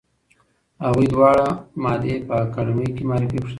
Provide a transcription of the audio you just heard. هغوی دواړه مادې په اکاډمۍ کې معرفي کړې.